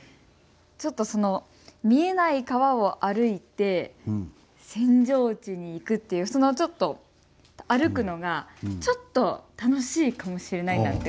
ちょっと見えない川を歩いて扇状地に行くっていうその歩くのがちょっと楽しいかもしれないなんて。